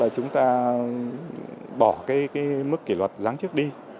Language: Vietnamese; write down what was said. chúng ta bỏ cái mức kỷ luật giám chức